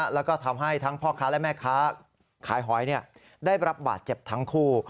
แล้วก็ทำให้ทั้งพ่อค้าและแม่ค้าขายหอยได้รับบาดเจ็บทั้งคู่